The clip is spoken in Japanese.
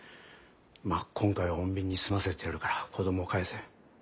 まあ今回は穏便に済ませてやるから子どもを返せ。